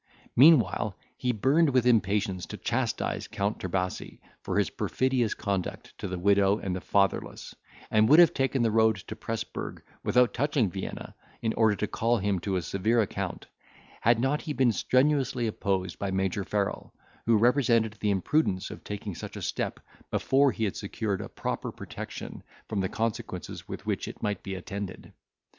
Meanwhile, he burned with impatience to chastise Count Trebasi for his perfidious conduct to the widow and the fatherless, and would have taken the road to Presburg, without touching at Vienna, in order to call him to a severe account, had not he been strenuously opposed by Major Farrel, who represented the imprudence of taking such a step before he had secured a proper protection from the consequences with which it might be attended.